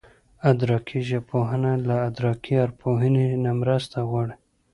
ادراکي ژبپوهنه له ادراکي ارواپوهنې نه مرسته غواړي